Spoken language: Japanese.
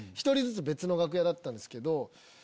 １人ずつ別の楽屋だったんですけど。